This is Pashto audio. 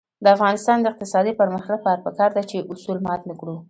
د افغانستان د اقتصادي پرمختګ لپاره پکار ده چې اصول مات نکړو.